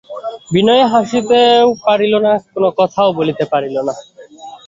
বিনয় হাসিতেও পারিল না, কোনো কথাও বলিতে পারিল না।